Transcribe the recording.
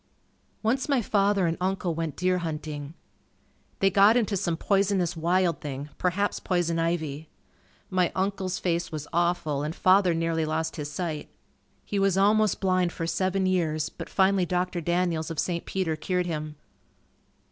Once my father and uncle went deer hunting. They got into some poisonous wild thing, perhaps poison ivy. My uncle's face was awful and father nearly lost his sight. He was almost blind for seven years but finally Dr. Daniels of St. Peter cured him.